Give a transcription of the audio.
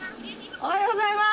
おはようございます。